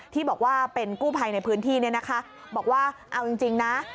ที่บอกว่าเป็นกู้ภัยในพื้นที่เนี่ยนะคะบอกว่าเอาจริงนะ